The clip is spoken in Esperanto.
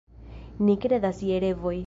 Ni kredas je revoj.